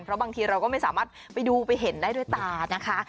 เพราะบางทีเราก็ไม่สามารถไปดูไปเห็นได้ด้วยตานะคะ